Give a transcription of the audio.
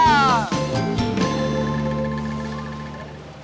ladang ladang ladang